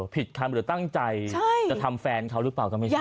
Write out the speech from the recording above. ผิดคำหรือตั้งใจจะทำแฟนเขาหรือเปล่าก็ไม่ทราบ